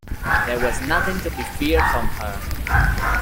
There was nothing to be feared from her.